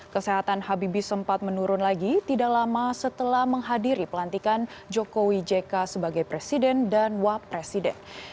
kesehatan habibie sempat menurun lagi tidak lama setelah menghadiri pelantikan jokowi jk sebagai presiden dan wapresiden